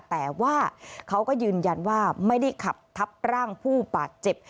แต่ว่าเขาก็ยืนยันว่าไม่ได้ขับทับร่างผู้บาดเจ็บ